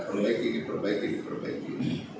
perbaik ini perbaik ini perbaik ini